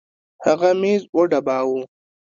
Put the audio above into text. هغه ميز وډباوه.